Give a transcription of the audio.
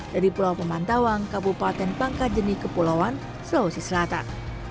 dari pulau pemantawang kabupaten pangkajeni kepulauan sulawesi selatan